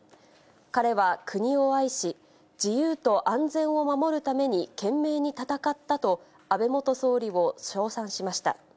彼は国を愛し、自由と安全を守るために懸命に戦ったと、安倍元総理を称賛しました。